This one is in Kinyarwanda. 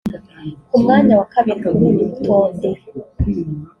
Ku mwanya wa kabiri kuri uru rutonde